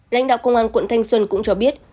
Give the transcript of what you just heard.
lãnh đạo công an quận thanh xuân cũng cho biết